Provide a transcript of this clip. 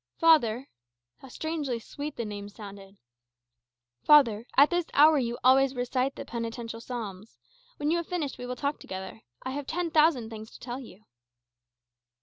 "Father " (how strangely sweet the name sounded!) "father, at this hour you always recite the penitential psalms. When you have finished, we will talk together. I have ten thousand things to tell you."